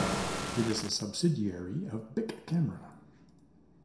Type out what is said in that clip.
It is a subsidiary of Bic Camera.